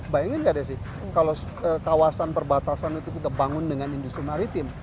bayangin nggak desi kalau kawasan perbatasan itu kita bangun dengan industri maritim